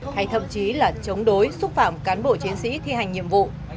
hay thậm chí là chống đối xúc phạm cán bộ chiến sĩ thi hành nhiệm vụ